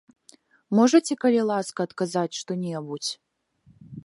Можаце, калі ласка, адказаць што-небудзь?